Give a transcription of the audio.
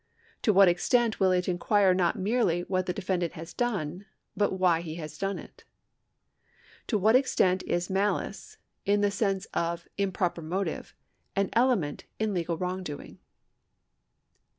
To what extent will it inquire not merely what the defendant has done, but why he has done it ? To what extent is malice, in the sense of improper motive, an element in legal wrongdoing ?